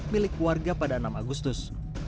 milik warga pada enam agustus